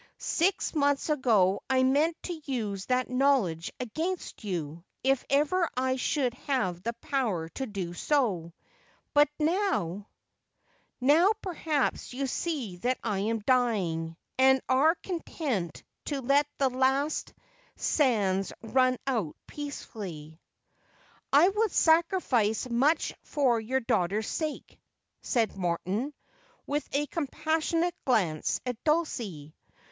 Six months ago I meant to use that knowledge against you, if ever I should have the power to do so. But now '' Now, perhaps, you see that I am dying, and are content to let the last sands run out peacefully '' I would sacrifice much for your daughter's sake,' said Morton, with a compassionate glance at Dulcie.